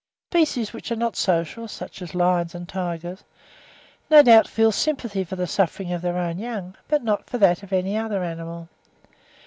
Species which are not social, such as lions and tigers, no doubt feel sympathy for the suffering of their own young, but not for that of any other animal.